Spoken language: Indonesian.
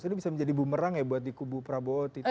ini bisa menjadi bumerang ya buat di kubu prabowo